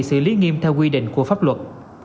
xử lý nghiêm theo quy định của pháp luật